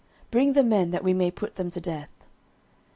bring the men, that we may put them to death.